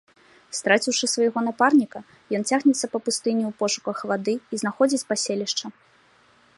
Страціўшы свайго напарніка, ён цягнецца па пустыні ў пошуках вады і знаходзіць паселішча.